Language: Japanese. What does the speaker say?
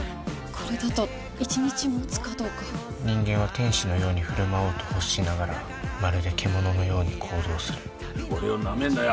これだと１日持つかどうか人間は天使のように振る舞おうと欲しながらまるで獣のように行動する俺をなめんなよ